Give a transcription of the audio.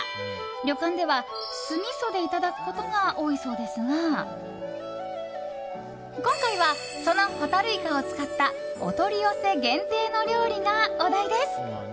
旅館では酢みそでいただくことが多いそうですが今回は、そのホタルイカを使ったお取り寄せ限定の料理がお題です。